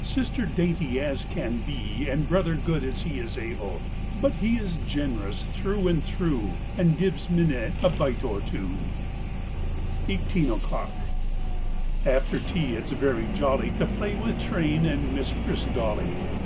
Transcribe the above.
Sister dainty as can be, And Brother good as he is able. But he is generous through and through, And gives Minette a bite or two. 45 SEVENTEEN O'CLOCK 47 EIGHTEEN O'CLOCK 4ETER tea it's very jolly lTL To play with train and Mistress Dolly.